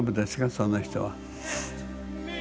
その人は。